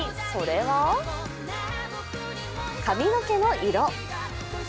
それは髪の毛の色。